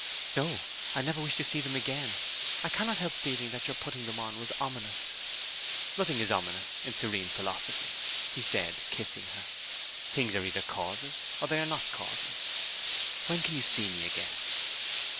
'No; I never wish to see them again! I cannot help feeling that your putting them on was ominous.' 'Nothing is ominous in serene philosophy,' he said, kissing her. 'Things are either causes, or they are not causes. When can you see me again?'